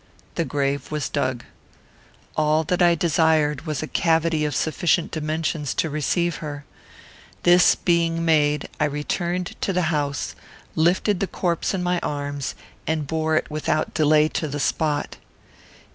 The grave was dug. All that I desired was a cavity of sufficient dimensions to receive her. This being made, I returned to the house, lifted the corpse in my arms, and bore it without delay to the spot.